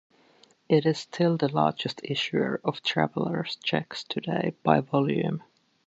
It is still the largest issuer of traveler's cheques today by volume.